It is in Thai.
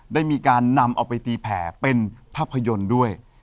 ได้มีการนำเอาไปตีแผ่เป็นภาพยนตร์ด้วย